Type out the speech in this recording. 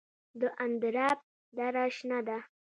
د اندراب دره شنه ده